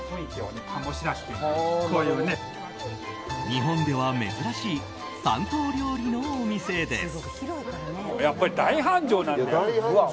日本では珍しい山東料理のお店です。